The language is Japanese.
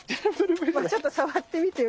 ちょっと触ってみてよ